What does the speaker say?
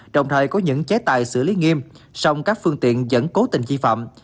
đồng thời có những chế tài xử lý nghiêm song các phương tiện vẫn cố tình vi phạm